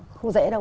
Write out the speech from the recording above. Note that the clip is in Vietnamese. không dễ đâu